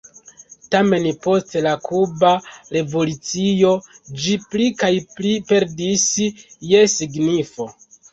Tamen post la kuba revolucio ĝi pli kaj pli perdis je signifo.